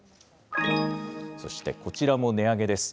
そしてこちらも値上げです。